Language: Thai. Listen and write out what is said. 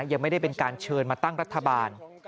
ยังไม่ได้เป็นการเชิญมาตั้งรัฐบาล